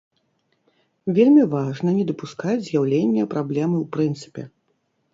Вельмі важна не дапускаць з'яўлення праблемы ў прынцыпе.